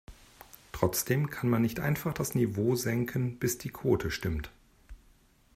Trotzdem kann man nicht einfach das Niveau senken, bis die Quote stimmt.